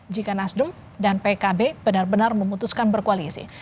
jika nasdem dan pkb benar benar memutuskan berkoalisi